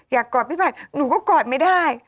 กอดพี่ผัดหนูก็กอดไม่ได้